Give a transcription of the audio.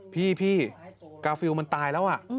พี่กาฟิลมันตายแล้ว